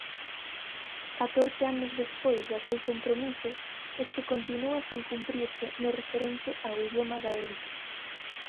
Catorce anos despois daquel compromiso, este continúa sen cumprirse no referente ao idioma gaélico.